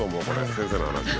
先生の話で。